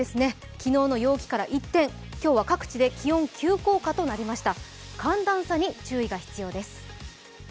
昨日の陽気から一転、今日は各地で気温、急降下となりました。